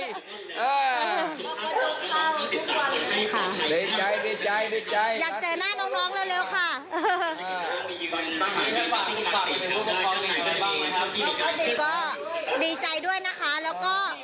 อยากเจอหน้าน้องน้องเร็วเร็วค่ะอ่าดีใจด้วยนะคะแล้วก็